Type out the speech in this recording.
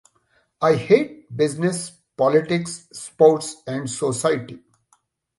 I hate business, politics, sports, and society.